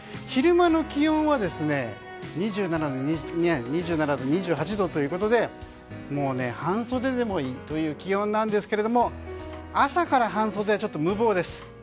昼間の気温は２７度、２８度ということでもう半袖でもいいという気温なんですけど朝から半袖は無謀です。